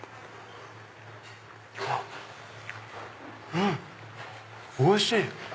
うんおいしい！